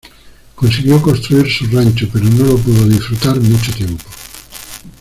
Consiguió construir su rancho, pero no lo pudo disfrutar mucho tiempo.